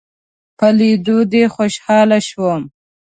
په ليدو دې خوشحاله شوم